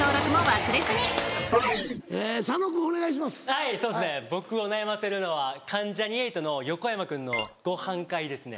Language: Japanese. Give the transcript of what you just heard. はい僕を悩ませるのは関ジャニ∞の横山君のご飯会ですね。